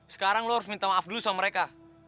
sekarang lo harus minta maaf dulu sama mereka